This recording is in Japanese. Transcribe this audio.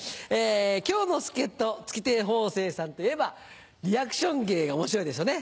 今日の助っ人月亭方正さんといえばリアクション芸が面白いですよね